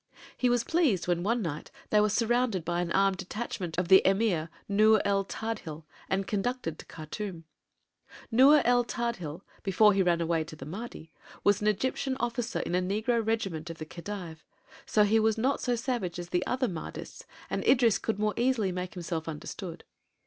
He was pleased when one night they were surrounded by an armed detachment of the Emir Nur el Tadhil and conducted to Khartûm. Nur el Tadhil, before he ran away to the Mahdi, was an Egyptian officer in a negro regiment of the Khedive: so he was not so savage as the other Mahdists and Idris could more easily make himself understood.